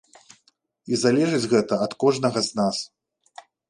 І залежыць гэта ад кожнага з нас.